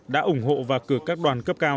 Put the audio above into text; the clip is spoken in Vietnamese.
đã ủng hộ và cử các đoàn cấp cao